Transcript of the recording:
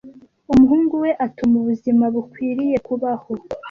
Umuhungu we atuma ubuzima bukwiriye kubaho.